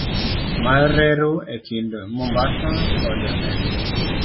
mar reru e kind Mombasa kod Nairobi